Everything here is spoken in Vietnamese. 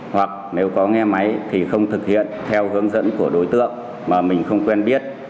hoặc nếu có nghe máy thì không thực hiện theo hướng dẫn của đối tượng mà mình không quen biết